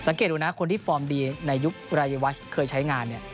ดูนะคนที่ฟอร์มดีในยุครายวัชเคยใช้งานเนี่ย